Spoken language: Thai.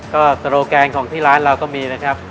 ก็โซโลแกนของที่ร้านเราก็มีนะครับ